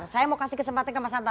saya mau kasih kesempatan ke mas anta